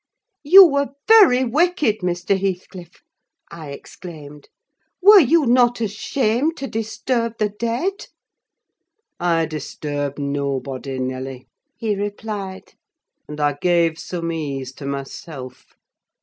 "You were very wicked, Mr. Heathcliff!" I exclaimed; "were you not ashamed to disturb the dead?" "I disturbed nobody, Nelly," he replied; "and I gave some ease to myself.